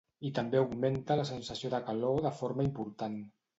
I també augmenta la sensació de calor de forma important.